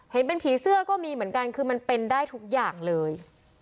เห็นเป็นผีเสื้อก็มีเหมือนกันคือมันเป็นได้ทุกอย่างเลย